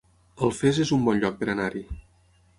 Alfés es un bon lloc per anar-hi